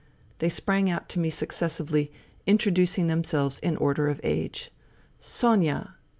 They sprang out to me successively, introducing themselves in order of age. " Sonia